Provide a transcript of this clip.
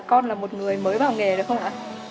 con là một người mới vào nghề được không ạ